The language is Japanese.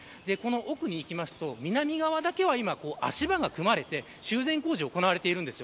奥に行きますと、南側だけは今足場が組まれて修繕工事が行われています。